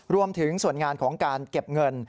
รวมถึงส่วนงานของการเก็บเงิน